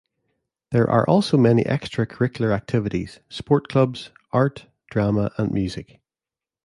There are also many Extra-curricular activities, Sport Clubs, Art, Drama and Music.